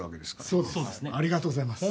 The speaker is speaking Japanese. ありがとうございます。